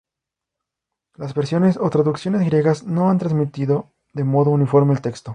Las versiones o traducciones griegas no han transmitido de modo uniforme el texto.